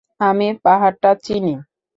আমি পাহাড়টা চিনি!